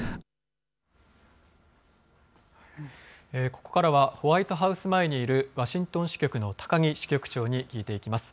ここからはホワイトハウス前にいるワシントン支局の高木支局長に聞いていきます。